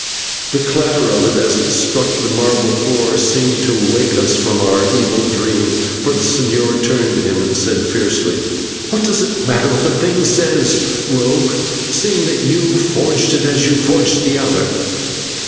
The clatter of it as it struck the marble floor seemed to wake us from our evil dream, for the señor turned on him, and said fiercely: "What does it matter what the thing says, rogue, seeing that you forged it as you have forged the other?"